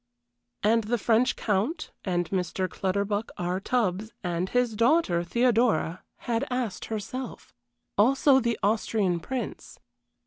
And the French Count, and Mr. Clutterbuck R. Tubbs and his daughter, Theodora had asked herself. Also the Austrian Prince.